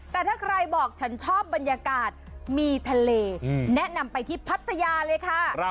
แต่ถ้าใครบอกฉันชอบบรรยากาศมีทะเลแนะนำไปที่พัทยาเลยค่ะ